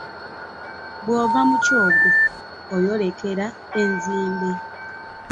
Bw’ova mu kyogo oyolekera enzimbe.